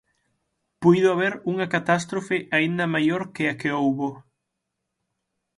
Puido haber unha catástrofe aínda maior que a que houbo.